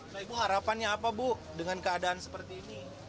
nah ibu harapannya apa bu dengan keadaan seperti ini